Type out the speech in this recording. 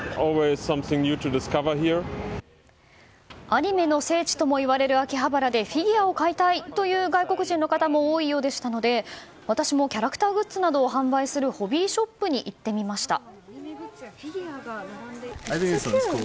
アニメの聖地ともいわれる秋葉原でフィギュアを買いたいという外国人の方も多いようでしたので私もキャラクターグッズなどを販売するホビーショップに行ってみました。